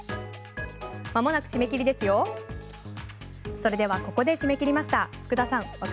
それではここで締め切りました。